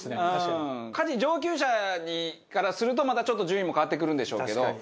バカリズム：家事上級者からすると、またちょっと順位も変わってくるんでしょうけど。